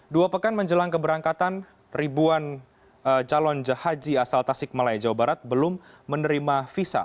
dua pekan menjelang keberangkatan ribuan calon haji asal tasik malaya jawa barat belum menerima visa